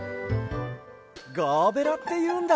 ガーベラっていうんだ。